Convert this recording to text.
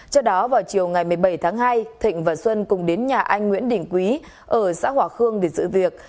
trước đó vào chiều ngày một mươi bảy tháng hai thịnh và xuân cùng đến nhà anh nguyễn đình quý ở xã hòa khương để giữ việc